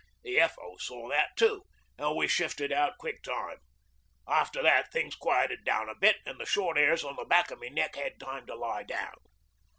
The F.O. saw that too, an' we shifted out quick time. After that things quietened down a bit, an' the short hairs on the back o' my neck had time to lie down.